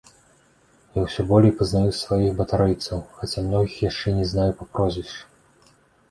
Я ўсё болей пазнаю сваіх батарэйцаў, хаця многіх яшчэ не знаю па прозвішчы.